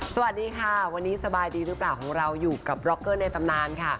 สวัสดีค่ะวันนี้สบายดีหรือเปล่าของเราอยู่กับบล็อกเกอร์ในตำนานค่ะ